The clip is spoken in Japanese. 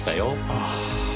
ああ。